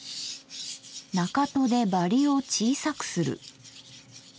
中砥でバリを小さくする。